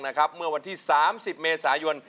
เมื่อวันที่๓๐เมษายน